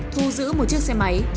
thu giữ một chiếc xe máy